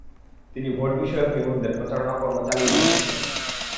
তিনি ভোটবিষয়ক নিবন্ধের প্রচারণাকর্ম চালিয়ে যেতে থাকেন।